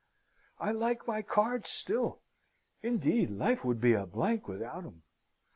I like my cards still. Indeed, life would be a blank without 'em.